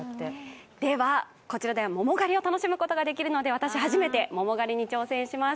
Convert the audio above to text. では、こちらでは桃狩りを楽しむことができるので、私初めて、桃狩りに挑戦します。